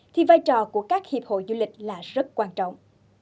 thì vai trò của các hiệp hội du lịch là rất quan trọng